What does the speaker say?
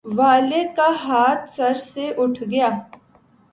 والد کا ہاتھ سر سے اٹھ گیا